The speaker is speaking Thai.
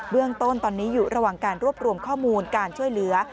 เรื่องต้นตอนนี้อยู่ระหว่างการรวบรวมข้อมูลการช่วยเหลือ